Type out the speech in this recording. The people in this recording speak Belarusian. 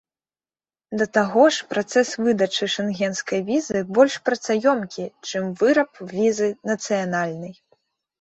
Да таго ж працэс выдачы шэнгенскай візы больш працаёмкі, чым выраб візы нацыянальнай.